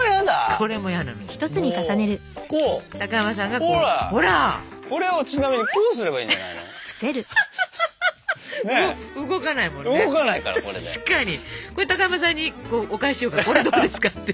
これ高山さんにお返ししようかこれどうですかって。